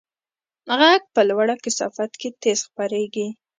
غږ په لوړه کثافت کې تېز خپرېږي.